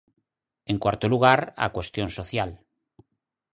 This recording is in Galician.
En cuarto lugar, a cuestión social.